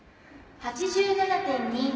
８７．２７。